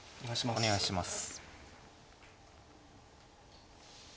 お願いします。